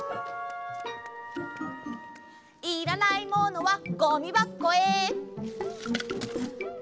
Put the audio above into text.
いらないものはゴミばこへ！